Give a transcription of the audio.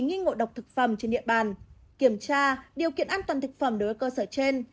nghi ngộ độc thực phẩm trên địa bàn kiểm tra điều kiện an toàn thực phẩm đối với cơ sở trên